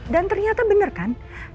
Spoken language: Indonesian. dan ternyata bener kan